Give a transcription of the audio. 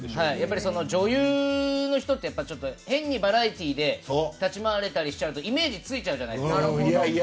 女優の人ってやっぱり変にバラエティーで立ち回れたりしちゃうとイメージがついちゃうじゃないですか。